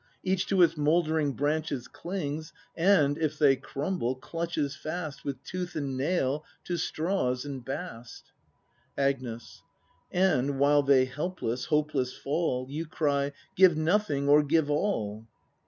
Each to its mouldering branches clings. And, if they crumble, clutches fast With tooth and nail to straws and bast. Agnes. And, while they helpless, hopeless fall. You cry: Give nothing or give all!